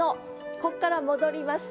こっから戻ります。